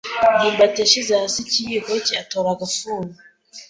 ndimbati yashyize hasi ikiyiko cye atora agafuni.